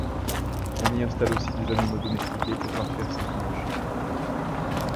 On y installe aussi des animaux domestiqués pour parfaire cette image.